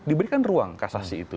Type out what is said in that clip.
diberikan ruang kasasi itu